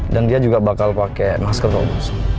dan dia juga bakal pakai masker bos